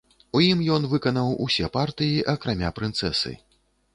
У ім ён выканаў усе партыі, акрамя прынцэсы.